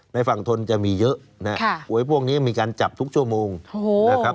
ในฝั่งทนจะมีเยอะนะครับหวยพวกนี้มีการจับทุกชั่วโมงนะครับ